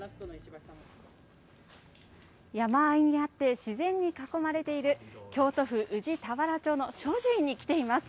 山あいにあって、自然に囲まれている京都府宇治田原町の正寿院に来ています。